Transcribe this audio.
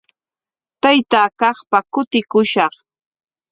Taytaa kaqpa kutikushaq.